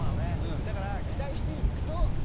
だから期待して行くとねえ。